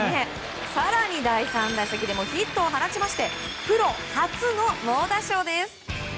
更に第３打席でもヒットを放ちましてプロ初の猛打賞です。